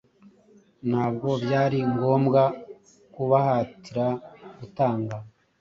Ntabwo byari ngombwa kubahatira gutanga